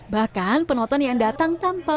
bahkan penonton yang datang tanpa